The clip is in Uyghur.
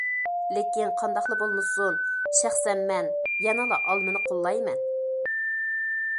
لېكىن قانداقلا بولمىسۇن شەخسەن مەن يەنىلا ئالمىنى قوللايمەن.